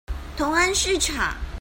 同安市場